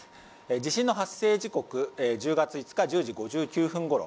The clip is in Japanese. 地震の発生時刻１０月５日１０時５９分ごろ。